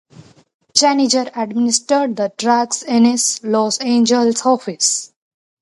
Janiger administered the drugs in his Los Angeles office.